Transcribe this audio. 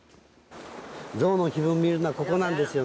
ゾウの気分を見るのはここなんです。